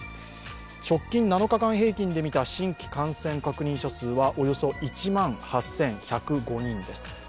直近７日間平均で見た新規感染確認者数はおよそ１万８１０５人です。